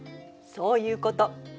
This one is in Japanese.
そういうこと。